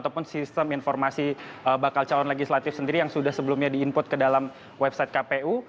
ataupun sistem informasi bakal calon legislatif sendiri yang sudah sebelumnya di input ke dalam website kpu